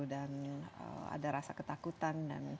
dan ada rasa ketakutan